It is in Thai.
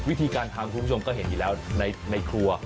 วิธีการทำคุณผู้ชมก็เห็นอยู่แล้วในครัว